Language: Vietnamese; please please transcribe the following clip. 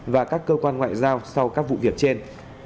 và các cơ quan ngoại giao sau các vụ việc trên